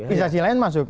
instansi lain masuk